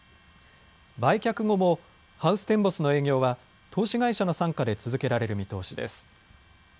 売却後もハウステンボスの営業は投資会社の傘下で続けられる見通しです。